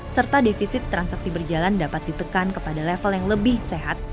serta defisit transaksi berjalan dapat ditekan kepada level yang lebih sehat